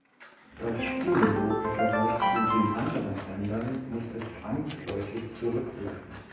Das Spielniveau im Vergleich zu den anderen Ländern musste zwangsläufig zurückbleiben.